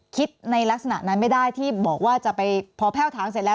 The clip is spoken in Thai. คิดในลักษณะนั้นไม่ได้ที่บอกว่าจะไปพอแพ่วถางเสร็จแล้ว